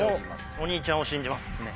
お兄ちゃんを信じます。